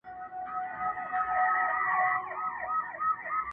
چي بيزو او بيزو وان پر راښكاره سول،